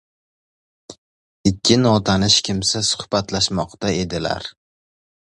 Ikki notanish kimsa suxbatlashmoqda edilar: